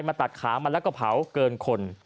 มาตัดขามันแล้วก็เผาเกินคน